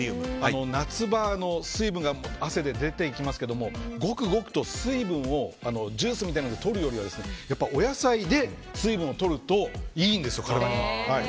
夏場の水分が汗で出て行きますけれどもごくごくと水分をジュースみたいなのでとるよりはお野菜で水分をとるといいんです、体に。